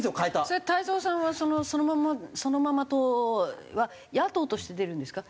それ太蔵さんはそのままそのまま党は野党として出るんですか？